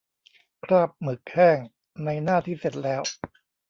คราบหมึกแห้ง ในหน้าที่เสร็จแล้ว